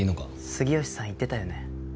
杉好さん言ってたよね。